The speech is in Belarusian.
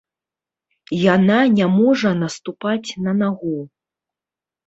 Яна не можа наступаць на нагу.